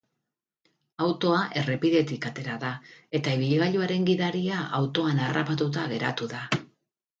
Autoa errepidetik atera da, eta ibilgailuaren gidaria autoan harrapatuta geratu da.